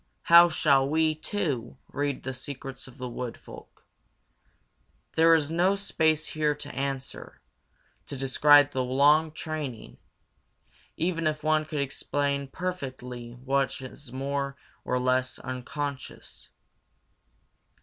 how shall we, too, read the secrets of the Wood Folk? There is no space here to answer, to describe the long training, even if one could explain perfectly what is more or less unconscious.